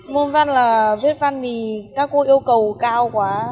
môn văn là viết văn mì các cô yêu cầu cao quá